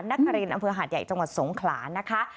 นักกะเรนอำเภอหาดใหญ่จสงขลานะคะ